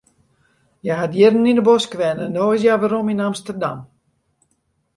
Hja hat jierren yn de bosk wenne, no is hja werom yn Amsterdam.